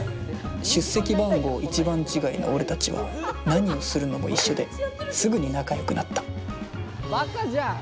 出席番号１番違いの俺たちは何をするのも一緒ですぐに仲良くなったバカじゃん。